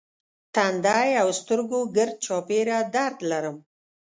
تندی او سترګو ګرد چاپېره درد لرم.